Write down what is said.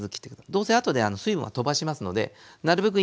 どうせあとで水分はとばしますのでなるべく